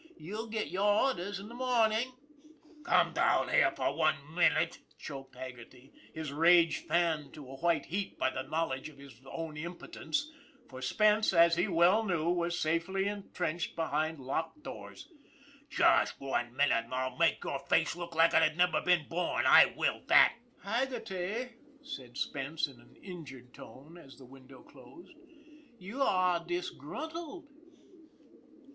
You'll get your orders in the morning." " Come down for one minute," choked Haggerty, his rage fanned to a white heat by the knowledge of his own impotence, for Spence, as he well knew, was safely entrenched behind locked doors. " Just one minute, an' I'll make your face look like it had never been born. I will that !"" Haggerty," said Spence in an injured tone, as the window closed, " you are disgruntled."